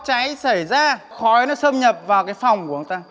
như vậy là khi có cháy xảy ra khói nó xâm nhập vào phòng của chúng ta